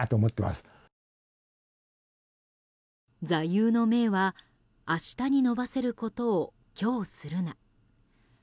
座右の銘は「明日にのばせることを今日するな」。